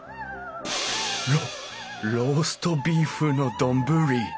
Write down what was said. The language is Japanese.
ロローストビーフの丼！